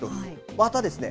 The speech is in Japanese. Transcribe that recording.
またですね